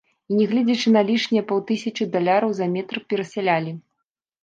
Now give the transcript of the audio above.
І не гледзячы на лішнія паўтысячы даляраў за метр перасялілі!